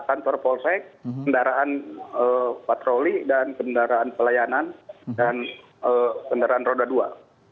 kantor polsek kendaraan patroli dan kendaraan pelayanan dan kendaraan roda dua